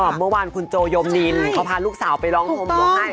เมื่อวานคุณโจยมนินเขาพาลูกสาวไปร้องคมร้องไห้